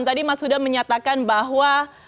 tadi mas huda menyatakan bahwa